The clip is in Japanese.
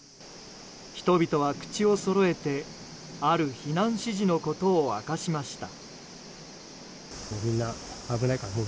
人々は口をそろえてある避難指示のことを明かしました。